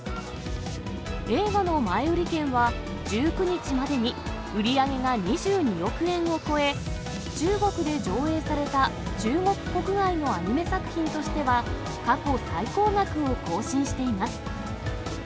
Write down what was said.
映画の前売り券は、１９日までに売り上げが２２億円を超え、中国で上映された中国国内のアニメ作品としては過去最高額を更新しています。